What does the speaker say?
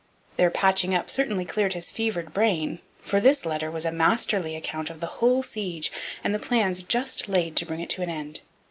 Their 'patching up' certainly cleared his fevered brain, for this letter was a masterly account of the whole siege and the plans just laid to bring it to an end.